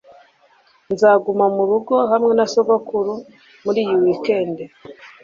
Nzaguma murugo hamwe na sogokuru muri iyi weekend.